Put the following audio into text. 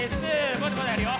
まだまだやるよ。